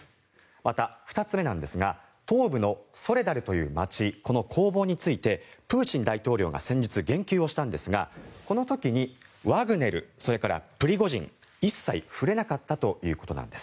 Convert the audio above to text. また、２つ目なんですが東部のソレダルという街この攻防についてプーチン大統領が先日言及をしたんですがこの時にワグネルそれからプリゴジン氏に一切触れなかったということなんです。